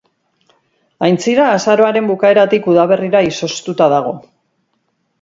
Aintzira azaroaren bukaeratik udaberrira izoztuta dago.